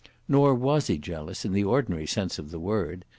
Nor was he jealous, in the ordinary sense of the word.